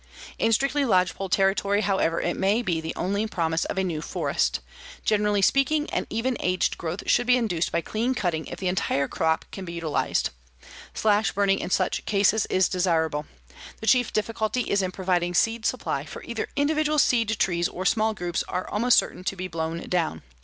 In strictly lodgepole territory, however, it may be the only promise of a new forest. Generally speaking, an even aged growth should be induced by clean cutting if the entire crop can be utilized. Slash burning in such cases is desirable. The chief difficulty is in providing seed supply, for either individual seed trees or small groups are almost certain to be blown down.